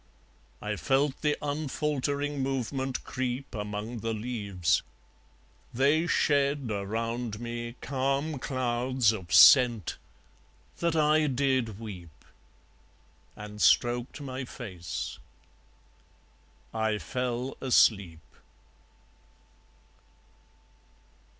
... I felt the unfaltering movement creep Among the leaves. They shed around me Calm clouds of scent, that I did weep; And stroked my face. I fell asleep.